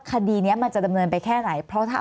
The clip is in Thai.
คดีนี้มันจะดำเนินไปแค่ไหนเพราะถ้า